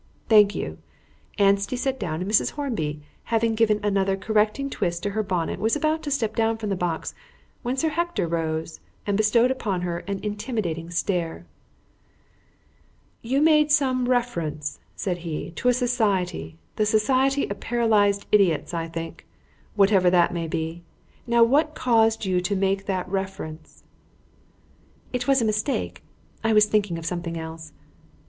"Thank you." Anstey sat down, and Mrs. Hornby having given another correcting twist to her bonnet, was about to step down from the box when Sir Hector rose and bestowed upon her an intimidating stare. "You made some reference," said he, "to a society the Society of Paralysed Idiots, I think, whatever that may be. Now what caused you to make that reference?" "It was a mistake; I was thinking of something else."